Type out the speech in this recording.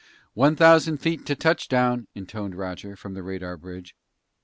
"One thousand feet to touchdown," intoned Roger from the radar bridge.